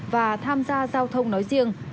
và tham gia giao thông nói riêng